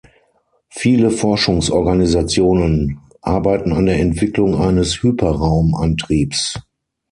Viele Forschungsorganisationen arbeiten an der Entwicklung eines Hyperraum-Antriebs.